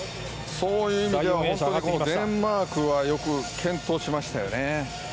そういう意味ではデンマークはよく健闘しましたよね。